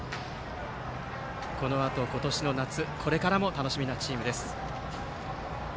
このあと、今年の夏とこれからも楽しみなチームです。